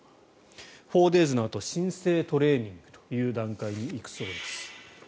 ４デーズのあと新生トレーニングという段階に行くそうです。